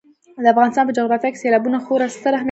د افغانستان په جغرافیه کې سیلابونه خورا ستر اهمیت لري.